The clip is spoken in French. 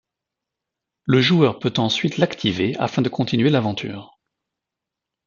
Le joueur peut ensuite l'activer afin de continuer l'aventure.